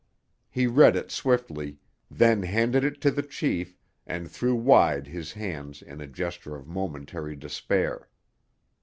He read it swiftly, then handed it to the chief, and threw wide his hands in a gesture of momentary despair.